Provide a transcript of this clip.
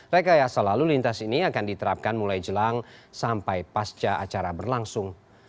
rekayasa lalu lintas ini akan diterapkan mulai jelang sampai pasca acara berlangsung